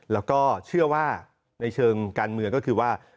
แล้วก็เชื่อว่าในเชิงการเมืองก็คือว่า